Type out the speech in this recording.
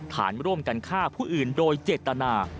ฐานร่วมกันฆ่าผู้อื่นโดยเจตนา